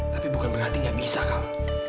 tapi bukan berarti gak bisa kau